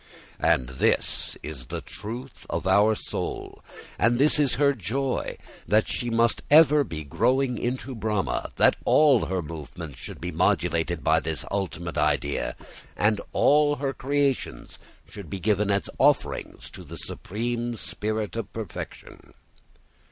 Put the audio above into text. And this is the truth of our soul, and this is her joy, that she must ever be growing into Brahma, that all her movements should be modulated by this ultimate idea, and all her creations should be given as offerings to the supreme spirit of perfection.